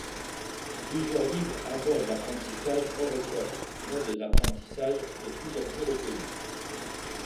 Plusieurs livres abordent l'apprentissage hors école, mode d'apprentissage de plus en plus reconnu.